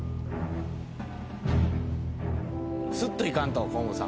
「すっといかんと河本さん」